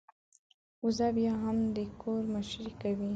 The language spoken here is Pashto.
وزه بيا هم د کور مشرۍ کوي.